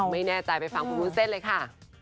ไม่แน่ใจไปฟังคุณวุ้นเส้นเลยค่ะ